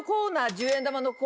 １０円玉の。